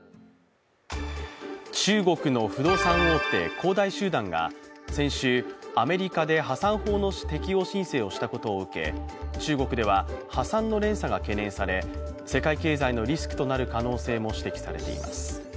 中国の不動産大手、恒大集団が先週アメリカで破産法の適用申請をしたことを受け中国では破産の連鎖が懸念され、世界経済のリスクとなる可能性も指摘されています。